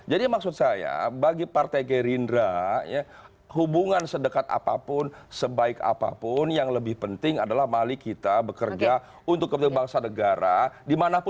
maksud saya bagi partai gerindra hubungan sedekat apapun sebaik apapun yang lebih penting adalah mali kita bekerja untuk kepentingan bangsa negara